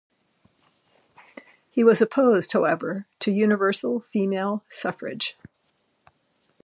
He was opposed, however, to universal female suffrage.